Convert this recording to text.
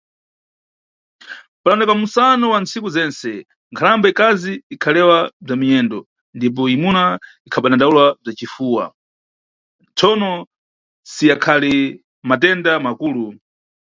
Padawoneka mʼmusano wa nntsiku zentse, nkhalamba ikazi ikhalewa bza minyendo ndipo imuna ikhadandawula bza cifuwa, tsono si yakhali matenda makulu.